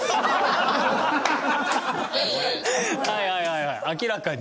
はいはいはいはい明らかに？